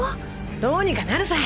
どうにかなるさ。